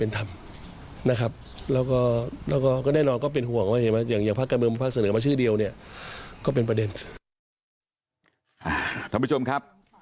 ท่านผู้ชมครับ